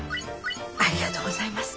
ありがとうございます。